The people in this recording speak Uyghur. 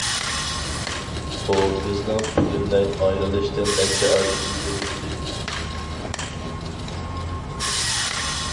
ئۇ بىزنىڭ پۈتۈنلەي ئايرىلىشتىن نەچچە ئاي ئىلگىرى ئىدى.